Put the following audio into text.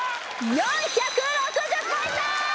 ４６０ポイント